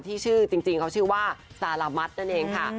ที่ชื่อจริงเขาชื่อว่าสารมัดนั่นเองค่ะ